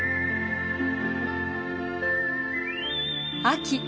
秋。